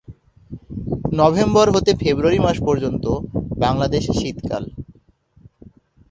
November হতে February মাস পর্যন্ত বাংলাদেশে শীতকাল।